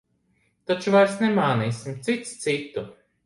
Taču vairs nemānīsim cits citu.